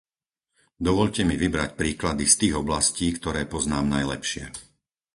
Dovoľte mi vybrať príklady z tých oblastí, ktoré poznám najlepšie.